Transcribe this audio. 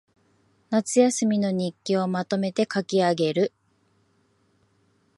夏休みの日記をまとめて書きあげる